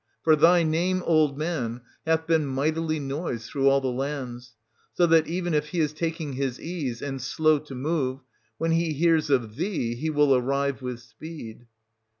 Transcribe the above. For thy name, old man, hath been mightily noised through all lands ; so that, even if he is taking his ease, and slow to move, when he hears of thee he will arrive with speed.